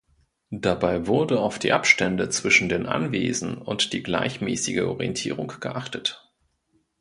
Dabei wurde auf die Abstände zwischen den Anwesen und die gleichmäßige Orientierung geachtet.